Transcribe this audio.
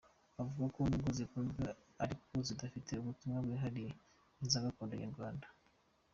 Avuga ko nubwo zikunzwe, ariko zidafite ubutumwa bwihariye nk'iza gakondo nyarwanda.